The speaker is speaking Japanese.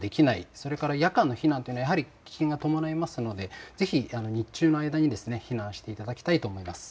それから夜間の避難はやはり危険が伴いますのでぜひ日中の間に避難していただきたいと思います。